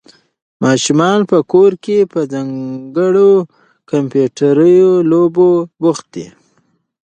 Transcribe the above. ماشومان په کور کې په ځانګړو کمپیوټري لوبو بوخت دي.